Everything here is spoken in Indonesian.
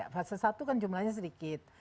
fase satu kan jumlahnya sedikit